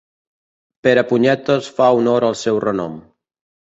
Perepunyetes fa honor al seu renom.